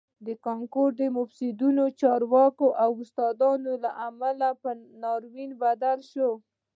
کانکور د مفسدو چارواکو او استادانو له امله په ناورین بدل شوی دی